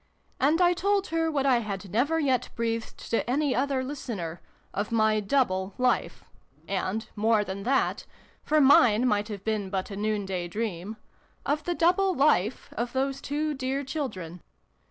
And I told her what I had never yet breathed to any other listener, of my double life, and, more than that (for xix] A FAIRY DUET. 303 mine might have been but a noonday dream), of the double life of those two dear children.